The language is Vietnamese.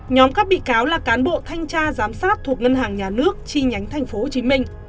nhóm các bị cáo là cán bộ thanh tra giám sát thuộc ngân hàng nhà nước chi nhánh tp hcm